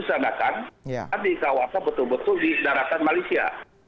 saya di kawasan betul betul di daratan malaysia